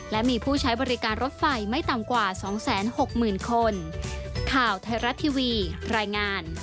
และมีผู้ใช้บริการรถไฟไม่ต่ำกว่า๒๖๐๐๐คน